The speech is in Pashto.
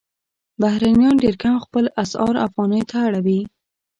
بهرنیان ډېر کم خپل اسعار افغانیو ته اړوي.